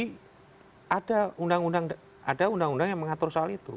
nah kalau itu terjadi ada undang undang yang mengatur soal itu